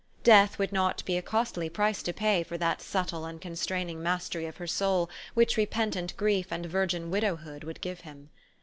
Death would not be a costly price to pay for that subtle and constraining mastery of her soul which repent ant grief and virgin widowhood would give him.